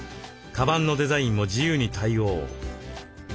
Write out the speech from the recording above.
カバンのデザインも自由に対応。